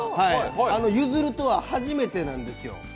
ゆずるとは初めてなんですよ。